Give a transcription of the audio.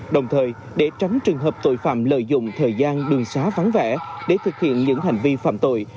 đồng thời để tránh trường hợp tội phạm lợi dụng thời gian đường xá vắng vẻ để thực hiện những hành vi phạm tội